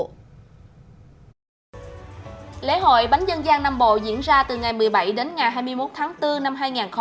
lễ hội bánh dân gian nam bộ diễn ra từ ngày một mươi bảy đến ngày hai mươi một tháng bốn năm hai nghìn hai mươi bốn